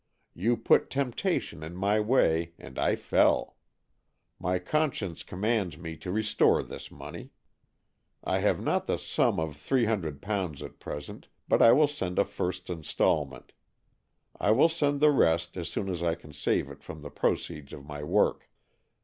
You put temptation in my way and I fell. My con science commands me to restore this money. I have not the sum of three hundred pounds AN EXCHANGE OF SOULS 219 at present, but I send a first instalment. I will send the rest, as soon as I can save it from the proceeds of my work.